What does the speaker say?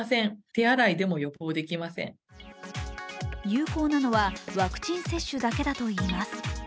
有効なのはワクチン接種だけだといいます。